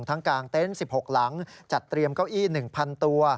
กลางเต็นต์๑๖หลังจัดเตรียมเก้าอี้๑๐๐ตัว